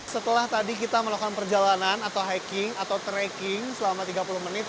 setelah tadi kita melakukan perjalanan atau hacking atau tracking selama tiga puluh menit